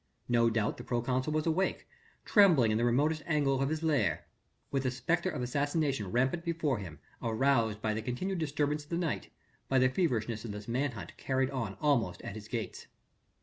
No doubt the proconsul was awake, trembling in the remotest angle of his lair, with the spectre of assassination rampant before him aroused by the continued disturbance of the night, by the feverishness of this man hunt carried on almost at his gates.